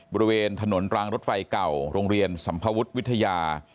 บริเวณถนนรางรถไฟเก่าโรงเรียนสัมภวุฒิวิทยา